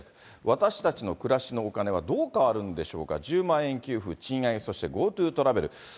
私たちの暮らしのお金はどう変わるんでしょうか、１０万円給付、賃上げ、そしてＧｏＴｏトラベル。